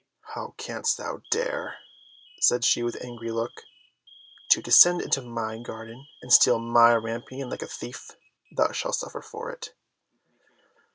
"How canst thou dare," said she with angry look, "to descend into my garden and steal my rampion like a thief? Thou shalt suffer for it!"